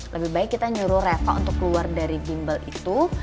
lebih baik kita nyuruh reva untuk keluar dari bimbel itu